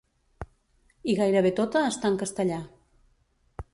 I gairebé tota està en castellà.